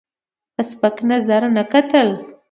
په سپک نظر نه کتل.